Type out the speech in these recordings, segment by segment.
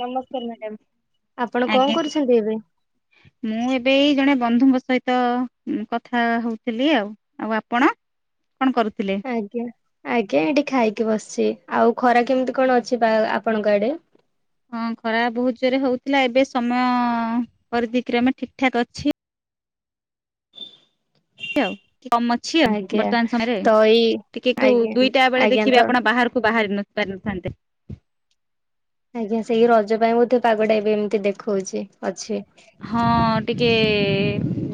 ନମସ୍କାର ମ୍ୟାଡାମ ଆପଣ ହ୍ୟାଲୋ ଆଜ୍ଞା କଣ କରୁଛନ୍ତି ଏବେ। ମୁଁ ଏବେ ଏଇ ଜଣେ ବନ୍ଧୁଙ୍କ ସହିତ କଥା ହଉଥିଲି ଆଉ ଆଉ ଆପଣ। କଣ କରୁଥିଲେ? ଆଜ୍ଞା ଆଜ୍ଞା ଏଠି ଖାଇକି ବସିଛି । ଆଉ ଖରା କେମିତି କଣ ଅଛି ବା ଆପଣଙ୍କ ଆଡେ? ହଁ ଖରା ବହୁତ ଜୋରେ ହଉଥିଲା ଏବେ ସମୟ ପରିତି କ୍ରମେ ଠିକ୍ ଠାକ୍ ଅଛି । [inaudible] କମ ଅଛି ଆ ଆଜ୍ଞା ବର୍ତ୍ତମାନ ସମୟରେ ତ ଏଇ ଟିକେ ତୁ ଆଜ୍ଞା ଦୁଇଟା ବେଳେ ଆଜ୍ଞା ଦେଖିବେ ତ ଆପଣ ବାହାରକୁ ବାହାରି ନ ପାରିନଥାନ୍ତେ । ଆଜ୍ଞା ସେଇ ରଜ ପାଇଁ ବୋଧେ ପାଗଟା ଏମିତି ଦେଖଉଛି ଅଛି । ହଁ ଟିକେ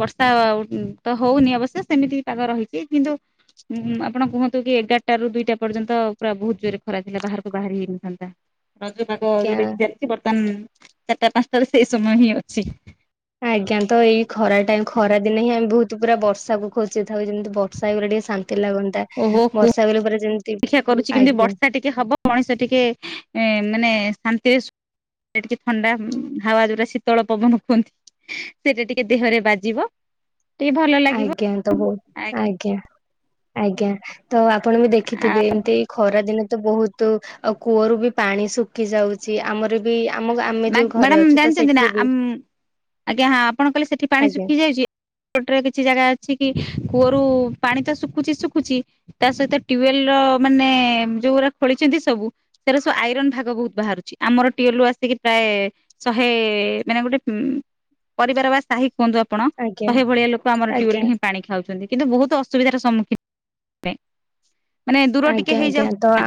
ବର୍ଷା ଉଁ ତ ହଉନି ଅବଶ୍ୟ ସେମିତି ପାଗ ରହିଛି କିନ୍ତୁ ଉଁହୁଁ ଆପଣ କୁହନ୍ତୁ କି ଏଗାରଟା ରୁ ଦୁଇଟା ପର୍ଯ୍ୟନ୍ତ ପୁରା ବହୁତ ଜୋରରେ ଖରା ଥିଲା ବାହାରକୁ ବାହାରି ହେଇନଥାନ୍ତା। ରଜପାଗ ଆଜ୍ଞା ଯୋଉଟା କି ଚାଲିଛି ବର୍ତ୍ତାନ୍ ଚାରିଟା ପାଞ୍ଚଟାରୁ ସେଇ ସମୟ ହିଁ ଅ ସି। ଆଜ୍ଞା ତ ଏଇ ଖରା ଟାଇମ ଖରା ଦିନେ ହିଁ ଆମେ ବହୁତ ପୁରା ବର୍ଷା ପକଉଚି ଏଥରକ ଯେମିତି ବର୍ଷା ହେଇଗଲେ ଟିକେ ଶାନ୍ତି । ଓହୋ କୁ, ଅପେକ୍ଷା କରୁଛି କେମିତି ଆଜ୍ଞା ବର୍ଷା ଟିକେ ହବ ମଣିଷ ଟିକେ ଏ ମାନେ ଶାନ୍ତିରେ ସୋ [unintelligible] ଟିକେ ଥଣ୍ଡା ହାୱା ଯୋଉଟା ଶୀତଳ ପବନ କୁହନ୍ତି ସେଟା ଟିକେ ଦେହରେ ବାଜିବ । ଆଜ୍ଞା ଦବୁ ଆଜ୍ଞା । ଆଜ୍ଞା ତ ଆପଣ ବି ଦେଖିଥିବେ ଏମିତି ଖରା ଦିନେ ତ ବହୁତ ଆଉ କୂଅରୁ ବି ପାଣି ଶୁଖି ଯାଉଛି ଆମରବି ମା ମ୍ମ୍ୟାଡ଼ମ ଜାଣିଛନ୍ତିନା ବି ଉମ୍ ଆଜ୍ଞା ହଁ ଆପଣ କହିଲେ ସେଠି ପାଣି ଆଜ୍ଞା ଶୁଖିଯାଇଛି ଏପଟ୍ରେବି କିଛି ଜାଗା ଅଛି କି କୂଅରୁ ପାଣି ତ ଶୁଖୁଛି ଶୁଖୁଛି ତା ସହିତ ଟିୱେଲ୍ ର ମାନେ ଯୋଉଗୁରା ଖୋଳିଛନ୍ତି ସବୁ ସେଗୁରା ସବୁ ଆଇରନ୍ ଭାଗ ବହୁତ ବାହାରୁଛି ଆମର ଟିୱଲରୁ ପା ତିକି ପ୍ରାୟ ଶହେ ମାନେ ଗୋଟେ ଉଁ ପରିବାର ବା ସାହି କୁହନ୍ତୁ ଆପଣ ଆଜ୍ଞା ଶହେ ଭଳିଆ ଲୋକ ଆମର ଟ୍ୟୁଲରୁ ଆଜ୍ଞା ହିଁ ପାଣି ଖାଉଛନ୍ତି । କିନ୍ତୁ ବହୁତ ଅସୁବିଧାର ସମ୍ମୁଖୀ ପାଇ । ମାନେ ଦୂର ଟିକେ ଆଜ୍ଞା ଆଜ୍ଞା ହେଇଯାଉଚି ତ ନା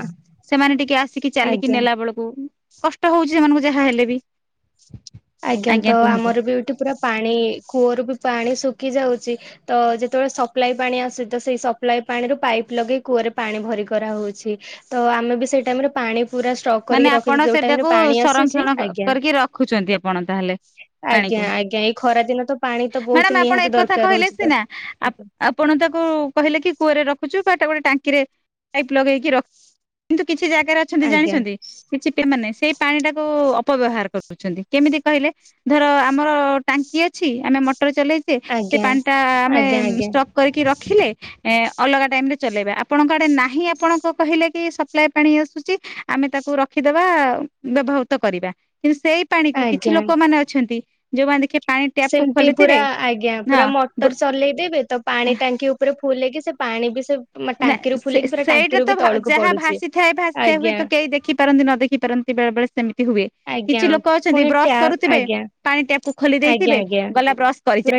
ସେମାନେ ଟିକେ ଆସିକି ଚାଲିକି ଆଜ୍ଞା ନେଲା ବେଳକୁ । କଷ୍ଟ ହଉଚି ଏମାନଙ୍କୁ ଯାହା ହେଲେ ବି। ଆଜ୍ଞା ତ ଆମର ବି ଏଠି ପୁରା ପାଣି କୂଅରୁ ବି ପାଣି ଶୁ କି ଯାଉଛି ତ ଯେତେବେଳେ ସପ୍ଲାଇ ପାଣି ଆସେ ତ ସେଇ ସପ୍ଲାଇ ପାଣିରୁ ପାଇପ୍ ଲଗେଇ କୂଅରେ ପାଣି ଭରି କରାହଉଛି। ତ ଆମେ ବି ସେଇ ଟାଇମରେ ପାଣି ପୁରା ଷ୍ଟକ୍ ମାନେ କରିକି ରଖିଛୁ ଆପଣ ଯୋଉ ଟାଇମ ରେ ସେଟାକୁ ପାଣି ଆସୁଛି ସଂରକ୍ଷଣ କ ଆଜ୍ଞା କରିକି ରଖୁଛନ୍ତି ଆପଣ। ତାହେଲେ ଆଜ୍ଞା ପାଣିକୁ। ଆଜ୍ଞା ଏଇ ଖରା ଦିନ ତ ପାଣି ତ ମ୍ୟାଡାମ ବହୁତ ଆପଣ ନିହାତି ଏକଥା ଦରକାର କହିଲେ ହଉଛି ତ। ସିନା ଆପ୍ ଆପଣ ତାକୁ କହିଲେ କି କୂଅରେ ରଖୁ ଜୁ କାଟାଗୋରି ଟାଙ୍କିରେ ପାଇପ ଲଗେଇକି ରଖ କିନ୍ତୁ କି ଛି ଜାଗାରେ ଅଛନ୍ତି ଆଜ୍ଞା ଜାଣିଛନ୍ତି? ଚିଟିଆ ମାନେ ସେଇ ପାଣି ଟାକୁ ଅପବ୍ୟବହାର କରିଦଉଛନ୍ତି କେମିତି କହିଲେ ଧର ଆମର ଟାଙ୍କି ଅଛି ଆମେ ମ ଟର ଚଲେଇଦିଏ ସେ ଆଜ୍ଞା ପାଣିଟା ଆମେ ଆଜ୍ଞା ଉମ୍ ଆଜ୍ଞା ଷ୍ଟକ୍ କରିକି ର ଖିଲେ ଏ ଅଲଗା ଟାଇମରେ ଚଲେଇବା ଆପଣଙ୍କ ଆଡେ ନାହିଁ ଆପଣ କ କହିଲେକି ସପ୍ଲାଏ ପାଣି ଆସୁଚି ଆମେ ତାକୁ ହଉ ରଖିଦବା ବ୍ୟବହୃତ କରିବା। କିନ୍ତୁ ସେଇ ପାଣିକୁ କିଛି ଲୋକମାନେ ଅଛନ୍ତି ଯୋଉମାନେ ଦେଖିବେ ପାଣି ଟ୍ୟାପ କୁ ସେମତି ପୁରା ଖୋଲିଥିବେ ଆଜ୍ଞା। ହଁ ପୁରା ମଟର ଚଲେଇଦେବେ ତ ପାଣି ଟାଙ୍କି ଉପରେ ଫୁଲ ହେଇକି ସେ ପାଣି ବି ସେ ମାନେ ଟାଙ୍କିରୁ ସେ ସେ ଫୁଲେଇକି ପୁରା ସେଇଟା ଟାଙ୍କିରୁ ତ ବି ତଳକୁ ଯାହା ପଡୁଛି ଭାସିଥାଏ ଭାସିଥାଏ ହୁଏ ଆଜ୍ଞା ତ କେହି ଦେଖି ପାରନ୍ତି ନ ଦେଖି ପାରନ୍ତି ବେଳେ ବେଳେ ସେମିତି ହୁଏ। ଆଜ୍ଞା। କିଛି ଲୋକ ଅଛନ୍ତି ପୁଣି ବ୍ରଶ ଟ୍ୟାପ କରୁଥିବେ ଆଜ୍ଞା ପାଣି ଟ୍ୟା ଖୋଲି ଦେଇଥିବେ ଗଲା ବ୍ରସ୍ କରିଚାଲି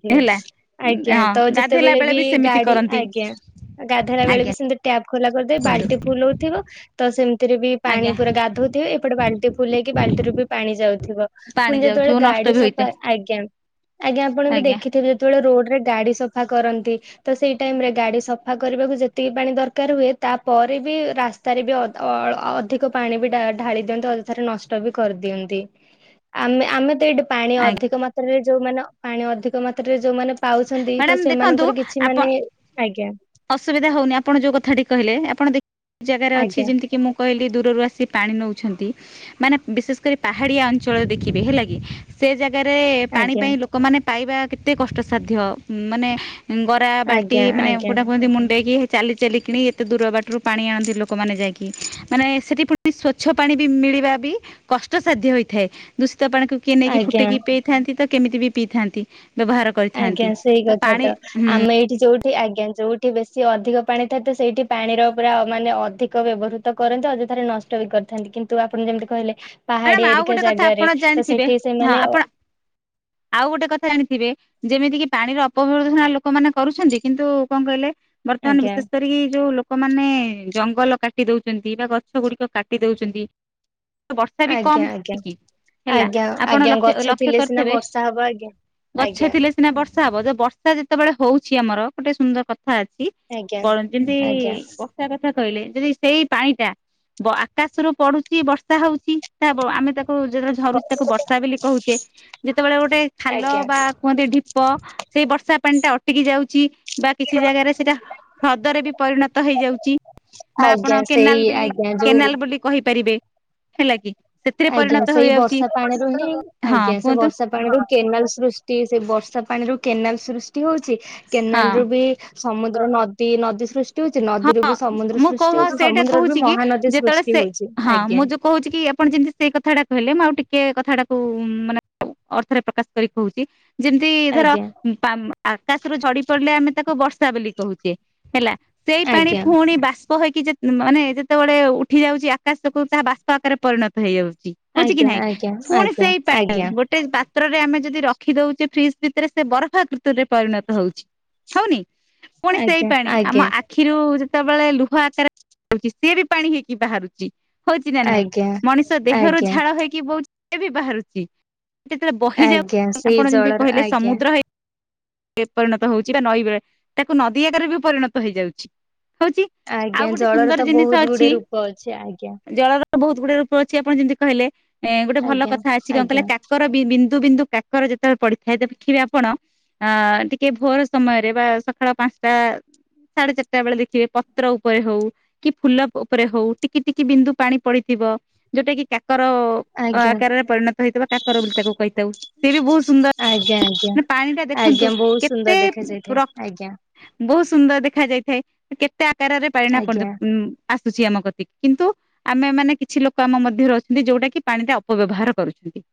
ଥିବେ ଆଜ୍ଞା। ତ ଯେତେବେଳେ ବେଳେ ବି ସେମିତି ଗାଡି କରନ୍ତି ଆଜ୍ଞା ଗାଧେଇଲା ବେଳେ ଆଜ୍ଞା ବି ସେମିତି ଟ୍ୟାପ୍ ଖୋଲା କରିଦେଇ କୁହନ୍ତୁ ବାଲଟି ଫୁଲ ହଉଥିବ ତ ସେମ ତିରେ ବି ପାଣି ଆଜ୍ଞା ପୁରା ଗାଧଉଥିବେ ଏପଟେ ବାଲ୍ଟି ଫୁଲ ହେଇକି ବାଲ୍ଟିରେ ବି ପାଣି ଯାଉଥିବ। ପାଣି ପୁଣି ଯାଉଥିବ ନଷ୍ଟ ଯେତେବେଳେ ବି ସଫା ହୋଇଥାଏ ହଏ ଆଜ୍ଞା। [unintelligible] ଆଜ୍ଞା ଆପଣ ବି ଆଜ୍ଞା ଦେଖିଥିବେ ଯେତେବେଳେ ରୋଡ୍ ଗାଡି ସଫା କରନ୍ତି। ତ ସେଇ ଟାଇମରେ ଗାଡି ସଫା କରିବାକୁ ଯେତିକି ପାଣି ଦରକାର ହୁଏ ତାପରେ ବି ରାସ୍ତାରେ ବି ଅଦ ଅ ଅଧିକପାଣି ବି ଢା ଢାଳି ଦିଅନ୍ତି ଅଯଥାରେ ନଷ୍ଟ ବି କରିଦିଅନ୍ତି। ଆମେ ଆମେ [unintelligible] ପାଣି ଆଜ୍ଞା ଅଧିକ ମାତ୍ରାରେ ଯୋଉ ମାନ ପାଣି ଅଧିକ ମାତ୍ରାରେ ଯୋଉ ମାନେ ମ୍ୟାଡ଼ାମ ଦେଖନ୍ତୁ ଆପଣ ଆଜ୍ଞା ଅସୁବିଧା ହଉନି। ଆପଣ ଯୋଉ କଥାଟି କହିଲେ ଆପଣ ଦେ ବହୁତ ଜାଗାରେ ଅଛି ଆଜ୍ଞା ଯେମିତି କି ମୁଁ କହିଲି ଦୂରରୁ ଆସିି ସେ ପାଣି ନଉଛନ୍ତି। ମାନେ ବିଶେଷ କରି ପାହାଡ଼ିଆ ଅଞ୍ଚଳରେ ଦେଖିବେ ହେଲା କି, ସେ ଜାଗା ଜାଗାରେ ପାଣି ଆଜ୍ଞା ପାଇଁ ଲୋକମାନେ ପାଇବା କେତେ କଷ୍ଟସାଧ୍ୟ। ମ୍-ମାନେ ଗରା ବାଲ୍ଟି ଆଜ୍ଞା ମାନେ ଆଜ୍ଞା କୋଟା କୁହନ୍ତି ମୁଣ୍ଡେଇକି ହେ ଚାଲି ଚାଲି କିଣି ଏତେ ଦୂର ବାଟରୁ ପାଣି ଆଣନ୍ତି। ଲୋକମାନେ ଯାଇକି ମାନେ, ସେଠି ପୁଣି ସ୍ଵଚ୍ଛ ପାଣି ବି ମିଳିବା ବି କଷ୍ଟସାଧ୍ୟ ହୋଇଥାଏ। ଦୂଷି ତ ପାଣି କୁ ନେଇକି ଆଜ୍ଞା ଫୁଟକି ପେଇଥାନ୍ତି ତ କେମିତି ବି ପିଇଥାନ୍ତି? ବ୍ୟବହାର କରିଥାନ୍ତି। ଗଥା ପାଣି ତ ହୁଁ ଆମେ ଏଠି ଯୋଇଠ୍ ସେ ଆଜ୍ଞା ଯୋଉଠି ବେଶୀ ଅଧିକ ପାଣି ଥାଏ, ତ ସେଇଠି ପାଣିର ପୁରା ମାନେ ଅଧିକ ବ୍ୟବହୃତ କରନ୍ତି। ଅଯଥାରେ, ନଷ୍ଟ ବି କରିଥାନ୍ତି କିନ୍ତୁ ଆପଣ ଯେମିତି କହିଲେ ମାଡାମ୍ ପାହାଡିଆ ଆଉ ଏରିକା ଗୋଟେ କଥା ଜାଗାରେ ଆପଣ ତ ଜାଣିଥିବେ ସେଠି ହଁ, ସେମାନେ ଅ ଆପଣ ଆଉ ଗୋଟ କଥା ଜାଣିଥିବେ। ଯେମିତି କି ପାଣିର ଅପବ୍ୟବହୃତ ଲୋକମାନେ କରୁଛନ୍ତି। କିନ୍ତୁ କଣ କହିଲେ? ବର୍ତ୍ତମାନ ଆଜ୍ଞା ବିଶେଷ କରିକି ଯୋଉ ଲୋକମାନେ ଜଙ୍ଗଲ କାଟି ଦଉଛନ୍ତି ବା ଗଛ ଗୁଡିକ କାଟି ଦେଉଛନ୍ତି, ବ ଷା ବି ଆଜ୍ଞା କମ୍ ଆଜ୍ଞା ହଉ କି ହେଲା। ଆଜ୍ଞା ଆପଣ ଆଜ୍ଞା ଲକ୍ଷ ଗଛ ଲକ୍ଷ୍ୟ ଥିଲେ ସିନା କରିଥିବେ, ବର୍ଷା ହବ ଆଜ୍ଞା ଗଛ ଆଜ୍ଞା ଥିଲେ ସିନା ବର୍ଷ ବର୍ଷା ହବ ଯେ ବର୍ଷା ଯେତେବେଳେ ହଉଛି ଆମର ଗୋଟେ ସୁନ୍ଦର କ ଥା ଅଛି ଆଜ୍ଞା ବରଂ ଯେମତି-ଇ ଆଜ୍ଞା ବର୍ଷା କଥା କହିଲେ ଯଦି ସେଇ ପାଣି ଟା ଆକାଶରୁୁ ପଡୁଛି ବର୍ଷା ହଉଛି। ତା ବ ଆମେ ତ କୁ ଯେତେବେଳେ ଝରୁଛି ତାକୁ ବର୍ଷା ବୋଲି କହୁଛେ। ଯେତେବେଳେ ଗୋଟେ ଖାଲ ଆଜ୍ଞା ବା କୁହନ୍ତି ଢିପ୍ ତ ସେଇ ବର୍ଷା ପାଣିଟା ଅଟିକି ଯାଉଛି। ବା କିଛି ଜାଗାରେ ସେଇଟା ହ-ହ୍ରଦରେ ବି ପରିଣତ ହେଇଯାଉଛି ବା ଆଜ୍ଞା ଆପଣ ସେଇ କେନାଲ୍ ବୋଲି ଆଜ୍ଞା ଯୋଉ କେନାଲ୍ ବୋଲି କହିପାରିବେ। ହେଲା କି। ସେଥିରେ ଆଜ୍ଞା ପରିଣତ ସେଇ ହେଇଯାଉଛି ବର୍ଷା ପାଣିରୁ ହିଁ ହଁ ଆଜ୍ଞା, ସେ କୁହନ୍ତୁ ବର୍ଷା ପାଣିରୁ କେନାଲ ସୃଷ୍ଟି ସେ ବର୍ଷା ପାଣିରୁ କେନାଲ ସୃଷ୍ଟି ହଉଛି। ହଁ। କେନାଲ ରୁ ବି ସମୁଦ୍ର ନଦୀ ନଦୀ ସୃଷ୍ ହଁ ମୁଁ କହ ସେଇଟା ସମୁଦ୍ରରୁ ବି କହୁଛି କି, ମହାନଦୀ ଯେତେବେଳେ ସୃଷ୍ଟି ସେ ହଉଛି ହଁ ଆଜ୍ଞା ମୁଁ ଯୋଉ କହୁଛି କି ଆପଣ ଯେମିତି ସେଇ କଥାଟା କହିଲେ ମୁଁ ଆଉ ଟିକେ କଥାଟାକୁ ମାନେ ଅର୍ଥରେ ପ୍ରକାଶ କରି କହୁଛି। ଯେମିତି ଧର ଆଜ୍ଞା ପାମ୍ ଆକାଶରୁ ଝଡି ପଡିଲେ ଆମେ ତାକୁ ବର୍ଷା ବୋଲି କହୁଛେ ହେଲା। ସେଇ ପାଣି ଆଜ୍ଞା ଫୁଣି ବାସ୍ ଷ୍ପ ହେକି ମାନେ ଯେତେବେଳେ ଉଠି ଯାଉଛି ଆକାଶକୁ ତାହା ବାଷ୍ପ ଆକାରରେ ପରିଣତ ହେଇଯାଉଛି। ହଉଛି କି ଆଜ୍ଞା ନାଇଁ ପୁଣି ଆଜ୍ଞା ସେଇ ପାଇଁ ଆଜ୍ଞା ଗୋଟେ ବା ପାତ୍ରରେ ଆମେ ଯଦି ରଖି ଦଉଛେ ଫ୍ରିଜ୍ ଭିତରେ ସେ ବରଫା କୃତରେ ପରିଣତ ହଉଛି। ହଉନି? ପୁଣି ସେଇ ଆଜ୍ଞା ପାଣି ଆଜ୍ଞା ଆମ ଆଜ୍ଞା ଯେତେବେଳେ ଲୁହ ଆକାରଛି ସିଏ ବି ପାଣି ହେଇକି ବାହାରୁଛି। ହଉଛି ନା ନାଇଁ ଆଜ୍ଞା ମଣିଷ ଦେହରୁ ଆଜ୍ଞା ଝାଳ ହେଇକି ବହୁଛି। ସେ ବି ବାହାରୁଛି। ଯେତେବେଳେ ବହିଯାଉ ଆଜ୍ଞା ସେଇ ଆପଣ ଯେମିତି ଜଳର କହିଲେ ଆଜ୍ଞା ସମୁଦ୍ର ହେଇ ପରିଣତ ହଉଛି ବା ନଈ ବେଳେ ତାକୁ ନଦୀ ଆଗରେ ବି ପରିଣତ ହେଇଯାଉଛି। ହଉଛି ଆଉ ଆଜ୍ଞା ଗୋଟେ ଜଳରେ ତ ସୁନ୍ଦର ଜିନିଷ ବହୁତ ଅଛି ଗୁଡେ ରୂପ ଅଛି ଆଜ୍ଞା। ଜଳର ବହୁତ ଗୁଡଏ ରୂପ ଅଛି ଆପଣ ଯେମିତି କହିଲେ ଏଁ ଗୋଟେ ଭଲ ଆଜ୍ଞା କଥା ଅଛି କଣ ଆଜ୍ଞା କହିଲେ କାକର ବି? ବିୁ ବିନ୍ଦୁ କାକର ଯେତେବେଳେ ପଡିଥାଏ। ଦେଖିବେ ଆପଣ ଅ ଟିକେ ଭୋର ସମୟରେ ବା ସକାଳ ପାଞ୍ଚଟା ସାଢେ ଚାରିଟା। ଯେତେ ବେଳେ ଦେଖିବେ ପତ୍ର ଉପରେ ହଉ କି ଫୁଲ ଉପରେ ହଉ ଟିକେ ଟିକେ ବିନ୍ଦୁ ପାଣି ପଡିଥିବ ଯୋଉଟା କି? କାକର ଆଜ୍ଞା ଆକାରରେ ପରିଣତ ହେଇଥିବ କାକର ବୋଲି ତାକୁ କହିଥାଉ ସେ ବି ବହୁତ ଆଜ୍ଞା ଆଜ୍ଞା ସୁନ୍ଦର। ପାଣି ଟା ଦେଖନ୍ତୁ ଆଜ୍ଞା ବହୁତ ସୁନ୍ଦର କେତେ ଦେଖାଯାଇଥାଏ ରକ୍ ଆଜ୍ଞା ବହୁତ ସୁନ୍ଦର ଦେଖ ଦେଖ ଯାଇଥାଏ। କେତ୍ ତେ ଆକାରରେ ପାଇନା ଆଜ୍ଞା। [unintelligible] ଆସୁଛି ଆମ ଗତିକି କିନ୍ତୁ ଆମେ ମାନେ କିଛି ଲୋକ ଆମ ମଧ୍ୟରେ ଅଛନ୍ତି ଯୋଉଟା କି ପାଣିରେ ଅପବ୍ୟବହାର କରୁଛନ୍ତି।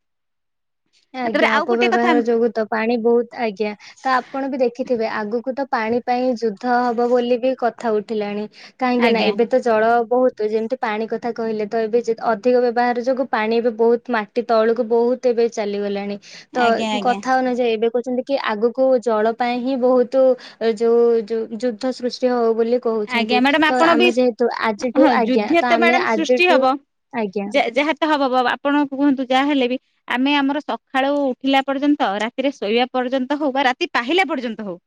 ତାପରେ ଆଜ୍ଞା ଆଉ ଗୋଟେ କଥା ଅପବ୍ୟବହାର ଯୋଗୁ ତ ପାଣି ବହୁତ ଆଜ୍ଞା ତ ଆପଣ ବି ଦେଖିଥିବେ ଆଗକୁ ତ ପାଣି ପାଇଁ ଯୁଦ୍ଧ ହବ ବୋଲି ବି କଥା ଉଠିଲାଣି। କାହିଁକି ନା ଆଜ୍ଞା। ଏବେ ତ ଜଳ ବହୁତ ଯେମିତି ପାଣି କଥା କହିଲେ ତ ଏବେ ଅଧିକ ବ୍ୟବହାର ଯୋଗୁ ପାଣି ଏବେ ବହୁତ ମାଟି ତଳକୁ ବହୁତ ଏବେ ଚାଲିଗଲାଣି। ତ ଆଜ୍ଞା କଥା ଅନୁଯାୟୀ ଏବେ କହୁଛନ୍ତି କି ଆଗକୁ ଜଳ ପାଇଁ ହିଁ ବହୁତ ଯୋଉ ଯୋଉ ଯୁଦ୍ଧ ସୃଷ୍ଟି ହଉ ଆଜ୍ଞା ମ୍ୟାଡାମ ଆପଣ ବି ଆଜିଠୁ ହଁ ଆଜ୍ଞା ଯୁଦ୍ଧ ତ ଆମେ ମ୍ୟାଡାମ ସୃଷ୍ଟି ଆଜିଠୁ ହବ ଆଜ୍ଞା ଯା ଯାହା ତ ହବ ଆପଣ କୁହନ୍ତୁ ଯାହାହଲେ ବି- କି ଆମେ ଆମର ସକାଳୁ ଉଠିଲା ପର୍ଯ୍ୟନ୍ତ ରାତିରେ ଶୋଇବା ପର୍ଯ୍ୟନ୍ତ ହଉ ବା ରାତି ପାହିଲା ପର୍ଯ୍ୟନ୍ତ ହଉ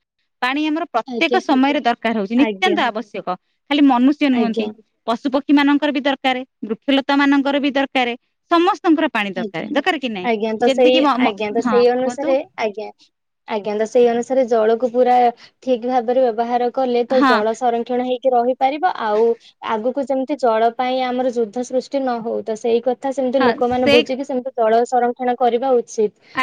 ପାଣି ଆମର ପ୍ରତ୍ୟେକ ଆଜ୍ଞା ସମୟରେ ଦରକାର ହଉଛି ନି। ଆଜ୍ଞା ଅତ୍ୟନ୍ତ ଆବଶ୍ୟକ। ଖାଲି ମନୁଷ୍ୟ ନୁହଁନ୍ତି ଆଜ୍ଞା ପଶୁପକ୍ଷ କ୍ଷୀ ମାନଙ୍କର ବି ଦରକାର ବୃକ୍ଷଲତା ମାନଙ୍କର ବି ଦରକାର ସମସ୍ତ ଆଜ୍ଞା ଆଜ୍ଞା ତ ସେଇ କିି ଆଜ୍ଞା ତ ହଁ ସେଇ କୁହନ୍ତୁ ଅନୁସାରେ ଆଜ୍ଞା ଆଜ୍ଞା ତ ସେଇ ଅନୁସାରେ ଜଳକୁ ପୁରା ଠିକ ଭାବରେ ବ୍ୟବହାର କଲେ ତ ହଁ ଜଳ ସଂରକ୍ଷଣ ହେଇ ରହିପାରିବ ଆଉ ଆଗକୁ ଯେମିତି ଜଳ ପାଇଁ ଆମର ଯୁଦ୍ଧ ସୃଷ୍ଟି ନ ହଉ ତ ସେଇ କ କଥା ସେମିତି ହଁ ଲୋକମାନେ ବହୁ ସେଇ ଜଳ ସଂରକ୍ଷଣ କରିବା ଉଚ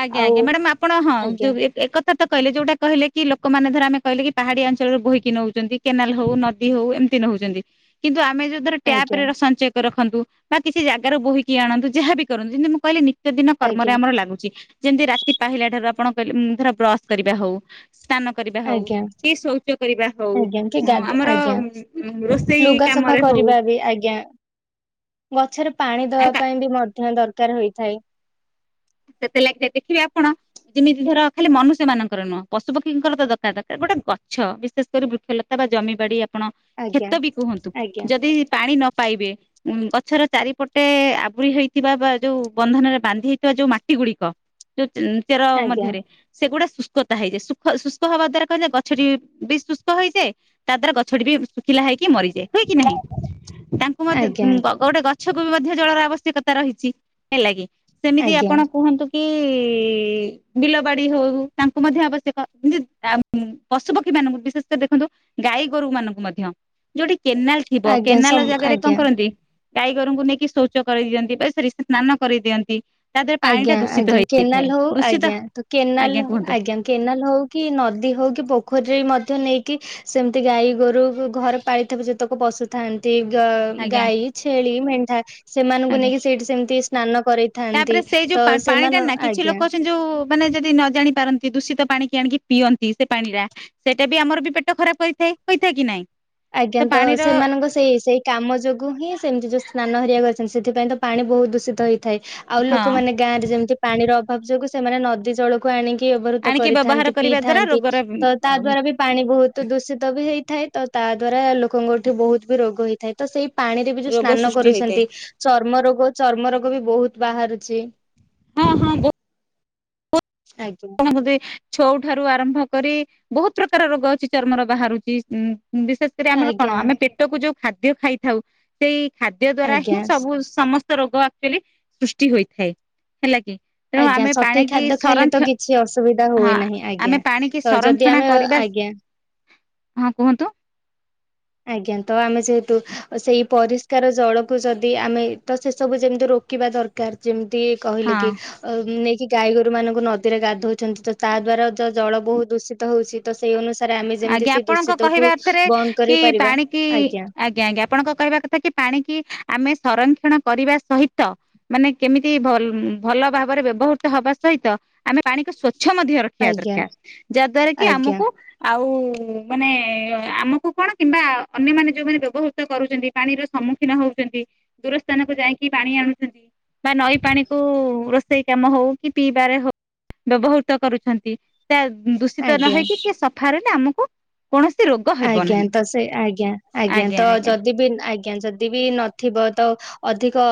ଆଜ୍ଞା ଆଜ୍ଞା ମ୍ୟାଡାମ ଆପଣ ହଁ ଯଉ ଏ ଏକଥା ତ କହିଲେ ଯୋଉଟା କହିଲେ କି ଲୋକମାନେ ଆମେ କହିଲେ ପାହାଡ଼ିଆ ଅଞ୍ଚଳ ରେ ବୋହିକି ନେଉଛନ୍ତି କେନାଲ ହଉ ନଦୀ ହଉ ଏମିତି ନଉଛନ୍ତି କିନ୍ତୁ ଆପ ଆମେ [unintelligible] ଆଜ୍ଞା ଟ୍ୟାପରେ ସଞ୍ଚୟ କର। [unintelligible] ବା କିଛି ଜାଗାରୁ ବୋହିକି ଆଣନ୍ତୁ ଯାହା ବି କରନ୍ତୁ ଯେିତି ମୁଁ କହିଲିନି କେତେ ଦିନ କର୍ମ ରେ ଆଜ୍ଞା ଆମର ଲାଗୁଛି। ଯେମିତି ରାତି ପାହିଲା ଠାରୁ ଆପଣ କହିଲେ ଉଁ ଧର ବ୍ରଶ କରିବା ହଉ ସ୍ନାନ କରିବା ହଉ ଆଜ୍ଞା କି ଶୌଚ କରିବା ହଉ ଆଜ୍ଞା କି ଉଁ ଗାଧେ ଆମର ଆଜ୍ଞା ରୋଷେଇ ଲୁଗା ସଫା କାମରେ ହଉ କରିବା ବି ଆଜ୍ଞା ଗଛରେ। ଫ ପାଣି ଦବା ପାଇଁ ବି ମ ଦରକାର ହୋଇଥାଏ । ସେତେ ଲାଗିଥାଏ, ଦେଖିବେ ଆପଣ, ଯେମିତି ଧର ଖାଲି ମନୁଷ୍ୟ ମାନଙ୍କର ନୁହଁ, ପଶୁପକ୍ଷୀଙ୍କର ତ ଦରକାର, ଦରକାର, ଗୋଟେ ଗଛ ବିଶେଷ କରି ବୃକ୍ଷଲତା ବା ଜମି ବାଡି ଆପଣ କ୍ଷେତ ଆଜ୍ଞା ବି କୁହନ୍ତୁ, ଆଜ୍ଞା ଯଦି ପାଣି ନ ପାଇବେ ଗ ଗଛର ଚାରିପଟେ ଆବୁରି ହେଇଥିବା, ବା ଯୋଉ ବନ୍ଧନରେ ବାନ୍ଧି ହେଉଥିବା, ଯୋଉ ମାଟି ଟି ଗୁଡ଼ିକ ଯୋ ଚେର ଆଜ୍ଞା ମଧ୍ୟରେ ସେଗୁଡ଼ା ଶୁ ଶୁଷ୍କତା ହେଇଯାଏ, ଶୁ ଶୁଷ୍କ ହେବା ଦ୍ୱାରା କହିଲେ, ଗଛଟି ବି ଶୁଷ୍କ ହେଇଯାଏ, ତା ଦ୍ଵାରା ଗଛଟି ବି ଶୁଖିଲା ହେଇକି ମରିଯାଏ । ହୁଏ କି ନାହିଁ, ତାଙ୍କୁ ମ ଆଜ୍ଞା ଗୋଟେ ଗ ଗଛକୁ ବି ମଧ୍ୟ, ଜଳର ଆବଶ୍ୟକତା ରହିଛି, ହେଲା କିି ସେମିତି ଆଜ୍ଞା ଆପଣ କୁହନ୍ତୁ। କି ବିଲ, ବାଡି ହଉ, ତାଙ୍କୁ ମଧ୍ୟ ଆବଶ୍ୟକ, ପଶୁପକ୍ଷୀ ମାନଙ୍କୁ ବିଶେଷ କରି ଦେଖନ୍ତୁ, ଗାଈ ଗୋରୁ ମାନଙ୍କୁ ମଧ୍ୟ ଯୋଉଠି କେନାଲ ଥିବ, ଆଜ୍ଞା କେନାଲ ସମ ଜାଗାରେ କଣ ଆଜ୍ଞା। କରନ୍ତି, ଗାଈଗୋରଙ୍କୁ ନେଇକି ଶୌଚ କରିଦିଅନ୍ତି, ବା ସରି ସ୍ନାନ କରେଇ ଦିଅନ୍ତି । ଆଜ୍ଞା, ଆଜ୍ଞା କେନାଲ ହଉ, ଦୂଷିତ ଆଜ୍ଞା ତ ଆଜ୍ଞା କେନାଲ କୁହନ୍ତୁ ଆଜ୍ଞା, କେନାଲ ହଉ, କି ନଦୀ ହଉ, କି ପୋଖରୀରେ ବି ମ ମଧ୍ୟ ନେଇକି, ସେମିତି ଗାଈ, ଗୋରୁ ଘରେ ପାଳିଥିବା ଯେତେକ ପଶୁଥାନ୍ତି, ଆଜ୍ଞା ଗାଈ, ଛେଳି, ମେଣ୍ଢା ଆଜ୍ଞା ସେମାନଙ୍କୁ ନେଇକି, ସେଇଠି ସେମିତି ସ୍ନାନ କରେଇଥାନ୍ତି ତାପରେ । ସେଇ ଯୋଉ ପାଣି ଟା ନା କିଛି ଲୋକ ଅଛନ୍ତି, ଯୋଉ ମାନେ ଯଦି ନ ଜାଣି ପାରନ୍ତି, ଦୂଷିତ ପାଣି କିି ଆଣିକି ପିଅନ୍ତି, ସେ ପାଣି ରା ସେଇଟା ବି ଆମର ବି ପେଟ ଖରାପ କରିଥାଏ, ହୋଇଥାଏ, କି ନାଇଁ । ଆଜ୍ଞା, ତ ସେମାନଙ୍କ ସେଇ, ସେଇ କାମ ଯୋଗୁ ହିଁ ସେମିତି ସ୍ନାନ ହେରିଆ କରିଛନ୍ତି, ସେଥିପାଇଁ ତ ପାଣି ବହୁତ ଦୂଷିତ ହେଇ ଥାଏ, ଆଉ ହଁ ଲୋକମାନେ ଗାଁରେ ଯେମିତି, ପାଣିର ଅଭାବ ଯୋଗୁ ସେମାନେ ନଦୀ ଜଳକୁ ଆଣିକି ବ୍ୟବହୃତ ଆଣିକି ବ୍ୟବହାର କରିଥାନ୍ତି, କରିବା ଦ୍ଵାରା ପିଇଥାନ୍ତି, ରୋଗର ତ ତା ଦ୍ଵାରା ବି ପାଣି ବହୁତ ଦୂଷିତ ବି ହେଇ ଥାଏ ତ ତା ଦ୍ଵାରା ଲୋ ଲୋକଙ୍କଠି ବହୁତ ବି ରୋଗ ହେଇଥି ଥାଏ, ତ ସେଇ ପାଣିରେ ବି ଯୋଉ ରୋଗ ସ୍ନାନ ସୃଷ୍ଟି ହୋଇଥାଏ କରୁଛନ୍ତି, ଚର୍ମ ରୋଗ ଚର୍ମ ରୋଗ, ବି ବହୁତ ବାହାରୁଛି । ହଁ, ହଁ, ବୋ ଆଜ୍ଞା [inaudible] ଛୋଉ ଠାରୁ ଆରମ୍ଭ କରି ବହୁତ ପ୍ରକାର ରୋଗ ଅଛି ଚର୍ମର ବାହାରୁଛି, ଉ ବିଶେଷ କରି ଆମର ଆଜ୍ଞା କଣ ଆମେ ପେଟକୁ ଯୋଉ [unintelligible] ଖାଦ୍ୟ ଖାଇଥାଉ ସେଇ ଖାଦ୍ୟ ଦ୍ଵାରା ଆଜ୍ଞା ହିଁ ସବୁ ସମସ୍ତ ରୋଗ ଆଚଲି ସୃଷ୍ଟି ହୋଇଥାଏ । ହେଲା କି? ତେଣୁ ଆଜ୍ଞା ଆମେ ସଠିକ ପାଣିକି ଖାଦ୍ୟ ଖାଇଲେ ତ ସଂରକ୍ଷଣ କିଛି ଅସୁବିଧା ହୁଏ ନାହିଁ ଆଜ୍ଞା। ତ ଯଦି ସଂରକ୍ଷଣ ଆମେ କରିବା ଆଜ୍ଞା। ହଁ କୁହନ୍ତୁ । ଆଜ୍ଞା ତ ଆମେ ଯେହେତୁ ସେଇ ପରିଷ୍କାର ଜଳକୁ ଯଦି ଆମେ ତ ସେସବୁ ଯେମିତି ରୋକିବା ଦରକାର ଯେମିତି ଟିକେ କହିଲେ ହଁ କି ନେଇ କି ଗାଈ, ଗୋରୁ ମାନଙ୍କୁ ନଦୀରେ ଗାଧଉଛନ୍ତି ତ ତା ଦ୍ଵାରା ତ ଜଳ ବହୁ ଦୂଷିତ ହଉଛି, ତ ସେଇ ଅନୁଶ ସାରେ ଆମେ ଯେମିତି ସେ ଦୂଷିତ କ ବନ୍ଦ କରିବା ପାଣି କି ଆଜ୍ଞା, ଆଜ୍ଞା । ଆପଣଙ୍କ କହିବା କଥା କି ପାଣି କି ଆମେ ସଂରକ୍ଷଣ କରିବା ସହିତ ମାନେ କେମିତିଲ ଭଲ ଭାବରେ ବ୍ୟବହୃତ ହବା ସହିତ ଆମେ ପାଣିକୁ ସ୍ବ ଛ ମଧ୍ୟ ରଖିବା ଆଜ୍ଞା ଦରକାର ଯାହାଦ୍ୱାରା କି ଆଜ୍ଞା ଆମକୁ ଆଉ ମାନେ ଆମକୁ କଣ କିମ୍ବା ଅନ୍ୟମାନେ ଯୋଉମାନେ ବ୍ୟବହୃତ କରୁଛନ୍ତି ପାଣିର ସମ୍ମୁଖୀନ ହଉଛନ୍ତି, ଦୂର ସ୍ଥାନକୁ ଯାଇକି ପାଣି ଆଣୁଛନ୍ତି। ବା ନଈ ପାଣିକୁ ରୋଷେଇ ସେଇ କାମ ହଉ କି ପିଇବାରେ ହଉ ବ୍ୟବହୃତ କରୁଛନ୍ତି । ଦୂଷିତ ଆଜ୍ଞା ନହଇକି କି ସ ଆମକୁ। ଆଜ୍ଞା ନାହିଁ। ତ ସେ ଆଜ୍ଞା ଆଜ୍ଞା ତ ଯଦି ବି ଆଜ୍ଞା ଯଦି ବି ନଥିବ, ତ ଅଧିକ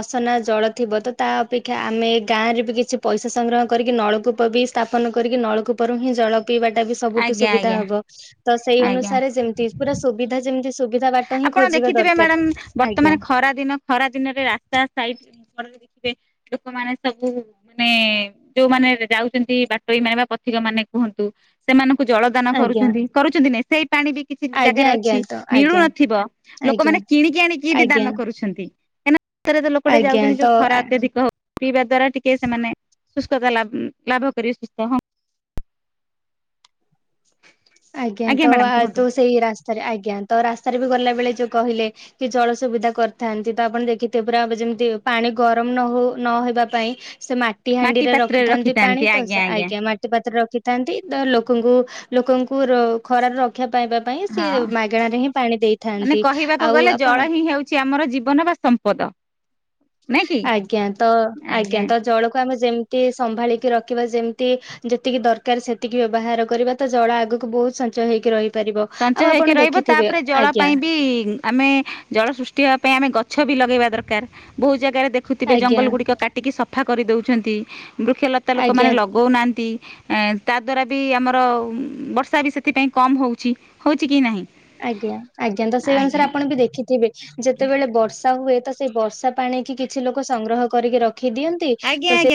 ଅସନା ଜଳ ଥିବ ତ ତା ଅପେକ୍ଷା ଆମେ ଗାଁରେ ବି କିଛି ପଇସା ସଂଗ୍ରହ କରିକି ନଳକୂପ ବି ସ୍ଥାପନ କରିକି ନଳକୂପରୁ ହିଁ ଜଳ, ପିଇବା ଟା ବି ସବୁଠୁ ଆଜ୍ଞା ସୁବିଧା ଆଜ୍ଞା ହବ। ସେଇ ଆଜ୍ଞା। ଅନୁସାରେ ଯେମିତି ପୁରା ସୁବିଧା ଯେମିତି ସୁବିଧା ବାଟ ହିଁ ଆପଣ ଖୋଜିବା ଦେଖିଥିବେ ଦରକାର ମ୍ୟାଡ଼ାମ ଆଜ୍ଞା ବର୍ତ୍ତମାନ ଖରା ଦିନ ଖରା ଦିନରେ ରାସ୍ତା ସାଇଟି - ଦେଖିବେ ଲୋକମାନେ ସବୁ ମାନେ ଯୋଉମାନୋନ ଯାଉଛନ୍ତି ବାଟୋଇ ମାନେ ବା ପଥିକ ମାନେ କୁହନ୍ତୁ ସେମାନଙ୍କୁ। ଜଳ ଦାନ ଆଜ୍ଞା କରୁଛନ୍ତି କରୁଛନ୍ତି କରୁଛନ୍ତି କି ନାହିଁ? ପାଣି ବି କିଛି ଆଜ୍ଞା ଜାଗାରେ ଆଜ୍ଞା ଅଛି ତ ନଳୁ ଆଜ୍ଞା ନ ଆଜ୍ଞା ଲୋକମାନେ କିଣିକି ଆଣିକି ବି ଆଜ୍ଞା ଦାନ କରୁଛନ୍ତି। ଏ, ଷରେ ତ ଲୋକଟେ ଆଜ୍ଞା ଯାଉଛନ୍ତି ଯୋଉ ତ ଖରା ଆ- ଅତ୍ୟଧିକ ହଉଛି। ପିଇବା ଦ୍ଵାରା ଟିକେ ସେମାନେ ସୁସ୍ଥତା ଲାଭ କରି ସୁସ୍ଥ ହ! ଆଜ୍ଞା ତ ଆଉ ତୁ ସେଇ ରାସ୍ତାରେ ଆଜ୍ଞା। ତ ରାସ୍ତାରେ ବି ଗଲା ବେଳେ ଯୋଉ କହିଲେ କି ଜଳ ସୁବିଧା କରିଥାନ୍ତି ତ ଆପଣ ଦେଖିଥିବେ ପୁରା ଯେମିତି ପାଣି ଗରମ ନହଉ ନହବା ପାଇଁ ସେ ମାଟି ହାଣ୍ଡି ରେ ରଖିଥାନ୍ତି ପାଣି ତ ଆଜ୍ଞା ମାଟି ପାତ୍ର ରଖିଥାନ୍ତି ତ ଲୋକଙ୍କୁ ଲୋକଙ୍କୁ ପୁରା ଖରା ରେ ରଖ ହଁ ଦେଇଥାନ୍ତି। ମାନେ କହିବାକୁ ଆଉ ଗଲେ ଆପଣ ଜଳ ହିଁ ହେଉଛି ଆମର ଜୀବନ ବା ସମ୍ପଦ ନାଇଁ କି? ଆଜ୍ଞା ତ ଆଜ୍ଞା ତ ଜଳକୁ ଆମେ ଯେମତି ସମ୍ଭାଳିକି ରଖିବା ଯେମତି ଯେତିକି ଦରକାର ସେତିକି ବ୍ୟବହାର କରିବା ତା ଜଳ ଆଗକୁ ବହୁତ ସଞ୍ଚୟ ହେଇକି ରହିବ ସଞ୍ଚୟ ହେଇକି ରହିବ ତାପରେ ଜଳ ଆଜ୍ଞା ପାଇଁ ବି ଆମେ ଜଳ ସୃଷ୍ଟି ହେବା ପାଇଁ ଆମେ ଗ ଛବି ଲଗେଇବା ଦରକାର ବହୁତ ଜାଗାରେ ଦେଖୁଥିବେ ଆଜ୍ଞା ଜଙ୍ଗଲ ଗୁଡ଼ିକକାଟିକି ସଫ ସଫା କରିଦଉଛନ୍ତି ବୃକ୍ଷଲତା ଆଜ୍ଞା ଲୋକମାନେ ଲଗଉନାହାନ୍ତି। ତାଦ୍ୱାରା ବି ଆମର ବର୍ଷା ବି ସେଥିପାଇଁ କମ ହେଉଛି। ହଉଛି କି ନାହିଁ ଆଜ୍ଞା ଆଜ୍ଞା ତ ସେଇ ଅନୁସାରେ ଆଜ୍ଞା ଆପଣ ବି ଦେଖିଥିବେ। ଯେତେବେଳେ ବର୍ଷ ହୁଏ ତ ସେଇ ବର୍ଷା ପାଣି କିଛି ଲୋକ ସଂଗ୍ରହ କରିକି ରଖ ରଖି ଦିଅନ୍ତି ଆଜ୍ଞା ଆଜ୍ଞା। ତ ସେ